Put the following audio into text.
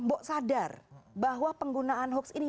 mbok sadar bahwa penggunaan hoax ini